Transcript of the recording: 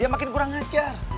makin kurang ajar